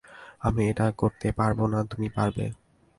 আমি এটা করতে পারবো না - তুমি পারবে।